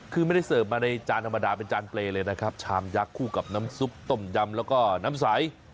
คือไม่ได้เสิร์ฟมาในจานธรรมดาเป็นจานเปรย์เลยนะครับชามยักษ์คู่กับน้ำซุปต้มยำแล้วก็น้ำใส